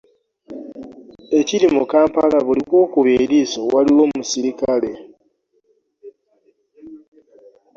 Ekiri mu Kampala buli wokuba eriiso waliwo muserikale.